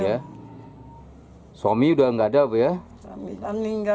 suami sudah tidak ada bu